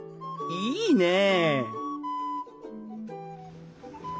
いいね！